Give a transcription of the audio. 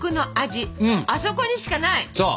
そう！